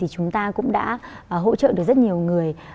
chúng ta cũng đã hỗ trợ được rất nhiều người